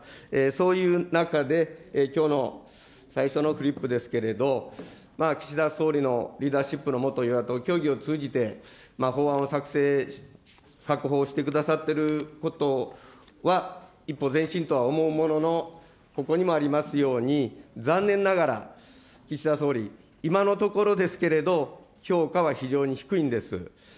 そういう中で、きょうの最初のフリップですけれど、岸田総理のリーダーシップの下、与野党協議を通じて、法案を作成してくださってることは一歩前進とは思うものの、ここにもありますように、残念ながら、岸田総理、今のところですけど、評価は非常に低いんです。